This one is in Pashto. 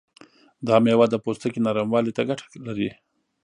دا میوه د پوستکي نرموالي ته ګټه لري.